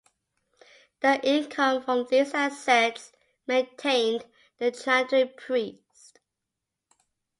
The income from these assets maintained the chantry priest.